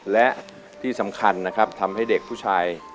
และที่สำคัญนะครับทำให้เด็กผู้ชาย